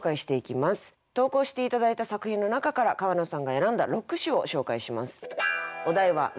投稿して頂いた作品の中から川野さんが選んだ６首を紹介します。